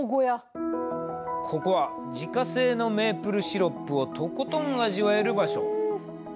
ここは自家製のメープルシロップをとことん味わえる場所。